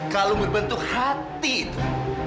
kalung berbentuk hati itu